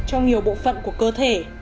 trong nhiều bộ phận của cơ thể